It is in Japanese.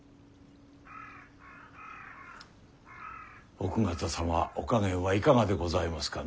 奥方様はお加減はいかがでございますかな？